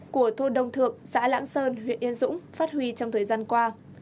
của thôn đông thượng xã lãng sơn huyện yên dũng phát huy trong thời gian qua